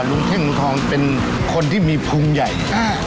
เท่งลุงทองเป็นคนที่มีภูมิใหญ่